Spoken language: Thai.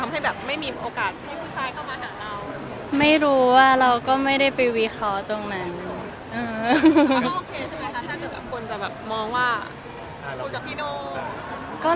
คือมีคนอื่นเข้ามาคุยบ้างมั้ยท่าในเช้าอย่างจริงต้องกับพี่โน่